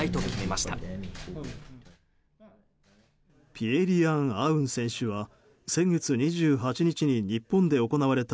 ピエ・リヤン・アウン選手は先月２８日に日本で行われた